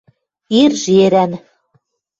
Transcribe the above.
– Ир жерӓн...